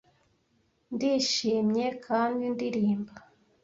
Ndishimye, kandi ndirimba,